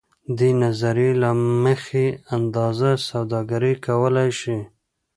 دې نظریې له مخې ازاده سوداګري کولای شي.